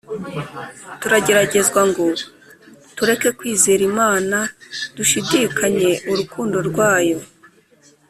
, Turageragezwa ngo tureke kwizera Imana, dushidikanye urukundo rwayo.